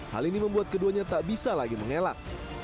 hal ini membuat keduanya tak bisa lagi mengelak